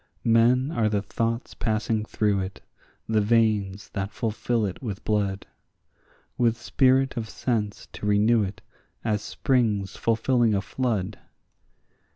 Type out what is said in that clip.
Men are the thoughts passing through it, the veins that fulfil it with blood, With spirit of sense to renew it as springs fulfilling a flood.